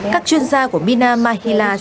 các chuyên gia của mina mahila cho biết